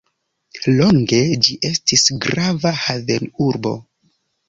Longe ĝi estis grava havenurbo.